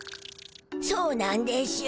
そうなんでしゅ。